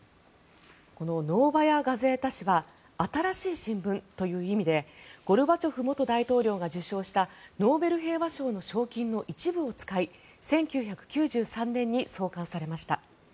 このノーバヤ・ガゼータ紙は新しい新聞という意味でゴルバチョフ元大統領が受賞したノーベル平和賞の賞金の一部を使い１９９３年に創刊されました。